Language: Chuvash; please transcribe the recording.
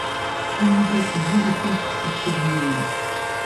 Куҫӗ те, чӗлхи те ҫивӗч Кушкӑ ҫыннисен.